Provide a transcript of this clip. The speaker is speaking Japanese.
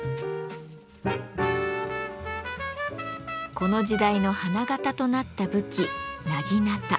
この時代の花形となった武器